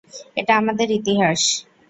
এটা আমাদের ইতিহাস!